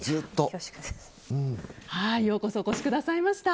ようこそお越しくださいました。